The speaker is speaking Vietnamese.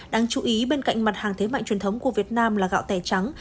đáng chú ý bên cạnh mặt hàng thế mạnh truyền thống của việt nam là gạo tẻ trắng